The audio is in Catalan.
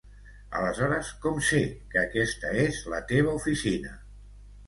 Aleshores com sé que aquesta és la teva oficina?